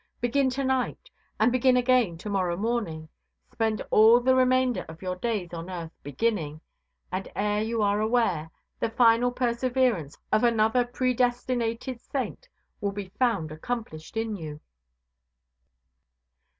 Begin to night, and begin again to morrow morning. Spend all the remainder of your days on earth beginning. And, ere ever you are aware, the final perseverance of another predestinated saint will be found accomplished in you.